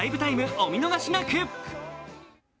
お見逃しなく！